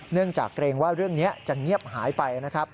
เนื่องจากเกรงว่าเรื่องนี้จะเงียบหายไป